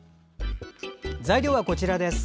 材料は、こちらです。